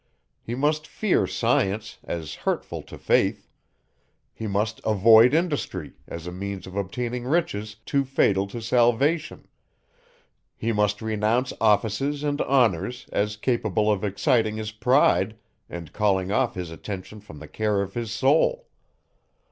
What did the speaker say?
He must fear science, as hurtful to faith; he must avoid industry, as a means of obtaining riches, too fatal to salvation; he must renounce offices and honours, as capable of exciting his pride, and calling off his attention from the care of his soul.